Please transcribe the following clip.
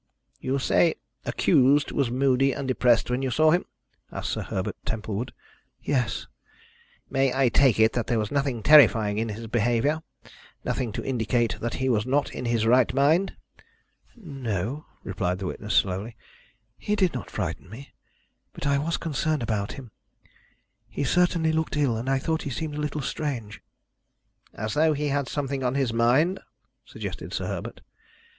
"You say accused was moody and depressed when you saw him?" asked Sir Herbert Templewood. "Yes." "May I take it that there was nothing terrifying in his behaviour nothing to indicate that he was not in his right mind?" "No," replied the witness slowly. "He did not frighten me, but I was concerned about him. He certainly looked ill, and I thought he seemed a little strange." "As though he had something on his mind?" suggested Sir Herbert.